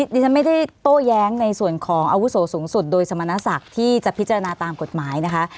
ดิฉันไม่ได้โต้แย้งในส่วนของอาวุโสสูงสุดโดยสมณศักดิ์ที่จะพิจารณาตามกฎหมายนะคะ